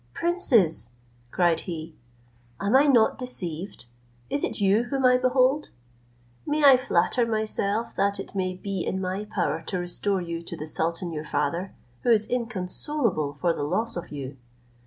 "Princes," cried he, "am I not deceived? Is it you whom I behold? May I flatter myself that it may be in my power to restore you to the sultan your father, who is inconsolable for the loss of you?